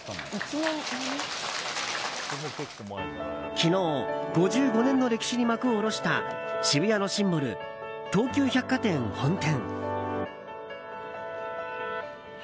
昨日、５５年の歴史に幕を下ろした渋谷のシンボル東急百貨店本店。